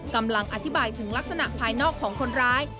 กำลังอธิบายถึงลักษณะภายนอกของคนร้าย